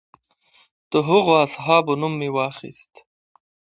د هغو اصحابو نوم مې واخیست.